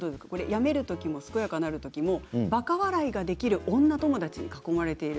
病める時も健やかなる時もばか笑いができる女友達に囲まれている。